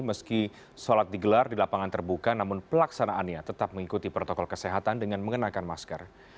meski sholat digelar di lapangan terbuka namun pelaksanaannya tetap mengikuti protokol kesehatan dengan mengenakan masker